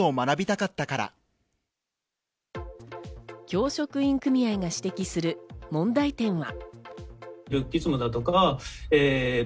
教職員組合が指摘する問題点は。